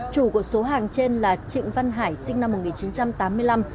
chủ của số hàng trên là trịnh văn hải sinh năm một nghìn chín trăm tám mươi năm